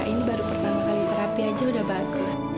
ini baru pertama kali terapi aja udah bagus